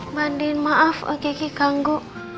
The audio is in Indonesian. mbak din maaf oke ki kanggu